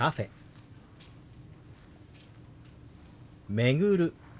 「巡る」。